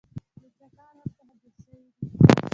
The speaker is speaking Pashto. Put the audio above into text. لوچکان ورڅخه جوړ شوي دي.